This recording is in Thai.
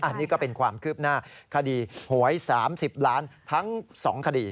อันนี้ก็เป็นความคืบหน้าคดีหวย๓๐ล้านทั้ง๒คดี